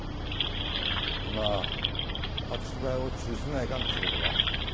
ほな発売を中止せないかんっちゅうことか？